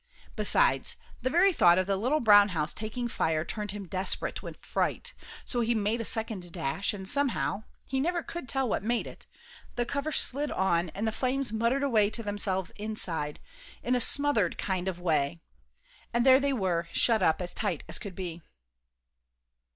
Besides, the very thought of the little brown house taking fire turned him desperate with fright; so he made a second dash, and somehow, he never could tell what made it, the cover slid on, and the flames muttered away to themselves inside, in a smothered kind of way, and there they were, shut up as tight as could be.